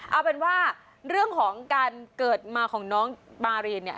เอาเป็นว่าเรื่องของการเกิดมาของน้องบารีนเนี่ย